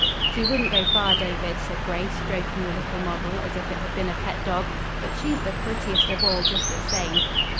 "She wouldn't go far, David," said Grace, stroking the little model, as if it had been a pet dog, "but she's the prettiest of all, just the same."